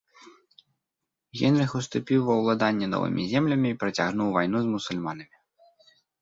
Генрых уступіў ва ўладанне новымі землямі і працягнуў вайну з мусульманамі.